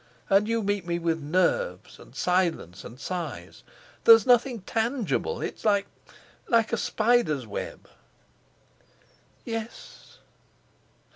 And you meet me with 'nerves,' and silence, and sighs. There's nothing tangible. It's like—it's like a spider's web." "Yes."